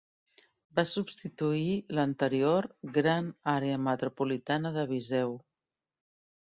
Va substituir l'anterior "Gran Àrea Metropolitana de Viseu".